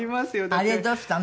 「あれどうしたの？」